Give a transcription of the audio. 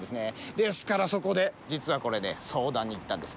ですからそこで実はこれ相談に行ったんです。